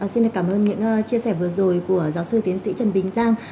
xin cảm ơn những chia sẻ vừa rồi của giáo sư tiến sĩ trần bình giang